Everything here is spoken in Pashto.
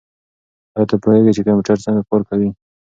ایا ته پوهېږې چې کمپیوټر څنګه کار کوي؟